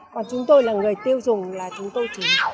còn chúng tôi là người tiêu dùng là chúng tôi chính